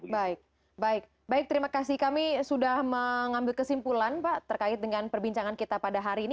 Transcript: baik baik terima kasih kami sudah mengambil kesimpulan pak terkait dengan perbincangan kita pada hari ini